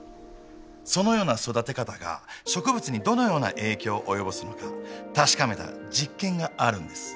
そのような育て方が植物にどのような影響を及ぼすのか確かめた実験があるんです。